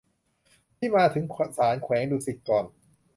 ที่มาถึงศาลแขวงดุสิตก่อน